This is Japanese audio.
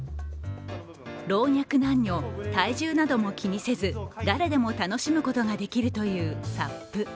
老若男女、体重なども気にせず誰でも楽しむことができるというＳＵＰ。